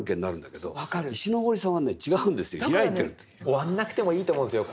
終わんなくてもいいと思うんですよ